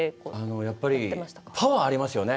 やっぱりパワーがありますよね